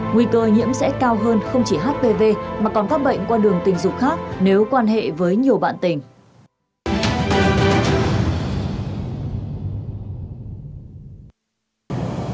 nguy cơ nhiễm sẽ cao hơn không chỉ hpv mà còn các bệnh qua đường tình dục khác nếu quan hệ với nhiều bạn tình